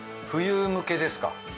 冬向けですか？